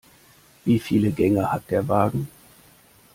Wieviele Gänge hat der Wagen?